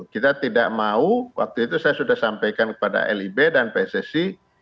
kita tidak mau waktu itu saya sudah sampaikan kepada lib dan pssi